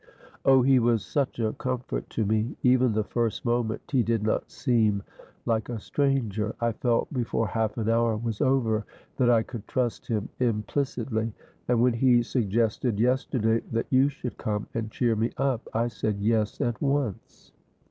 Oh, he was such a comfort to me. Even the first moment he did not seem like a stranger. I felt before half an hour was over that I could trust him implicitly. And when he suggested yesterday that you should come and cheer me up, I said yes at once."